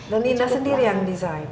dan nina sendiri yang desain